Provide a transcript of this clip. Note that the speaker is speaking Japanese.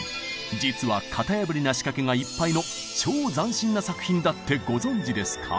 実は型破りな仕掛けがいっぱいの超斬新な作品だってご存じですか？